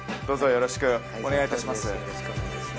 よろしくお願いします